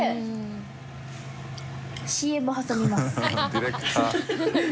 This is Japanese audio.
ディレクター。